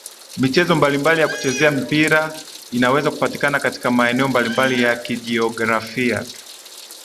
Michezo mbalimbali ya kuchezea mpira inaweza kupatikana katika maeneo mbalimbali ya kijiografia